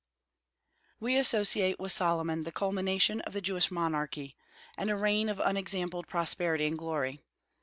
We associate with Solomon the culmination of the Jewish monarchy, and a reign of unexampled prosperity and glory.